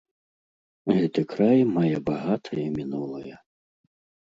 Гэты край мае багатае мінулае.